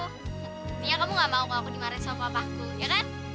hati hati kamu gak mau aku dimarahin sama papaku ya kan